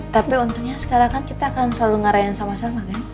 tapi untungnya sekarang kan kita akan selalu ngarahin sama sama kan